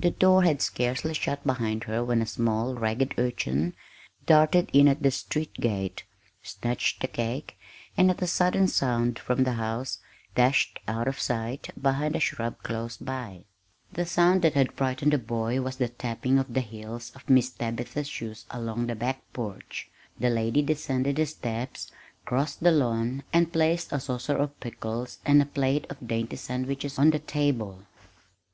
The door had scarcely shut behind her when a small, ragged urchin darted in at the street gate, snatched the cake, and, at a sudden sound from the house, dashed out of sight behind a shrub close by. The sound that had frightened the boy was the tapping of the heels of Miss Tabitha's shoes along the back porch. The lady descended the steps, crossed the lawn and placed a saucer of pickles and a plate of dainty sandwiches on the table.